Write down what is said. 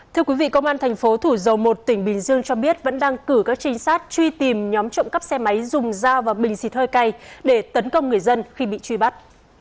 thưa quý vị công an thành phố thủ dầu một tỉnh bình dương cho biết vẫn đang cử các trinh sát truy tìm nhóm trộm cắp xe máy dùng dao và bình xịt hơi cay để tấn công người dân khi bị truy bắt